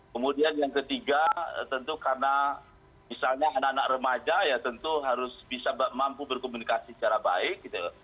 kemudian yang ketiga tentu karena misalnya anak anak remaja ya tentu harus bisa mampu berkomunikasi secara baik gitu